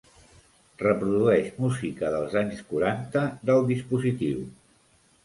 Reprodueix música dels anys quaranta del dispositiu.